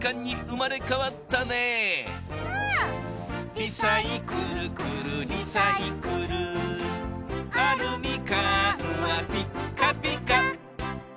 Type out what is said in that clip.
「リサイクルクルリサイクル」「アルミ缶はピッカピカ」